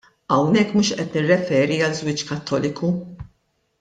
Hawnhekk mhux qed nirreferi għal żwieġ Kattoliku.